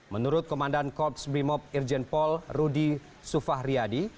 menurut komandan korps brimob irjen pol rudy sufahriyadi